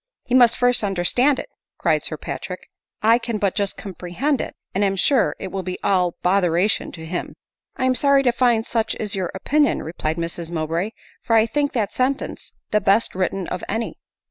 "He must first understand it," cried Sir Patrick; " I can but just comprehend it, and am sure it will be all botheration to him." " I am sorry to find such is your opinion," replied Mrs Mowbray ;" for I think that sentence the best writ ten of any."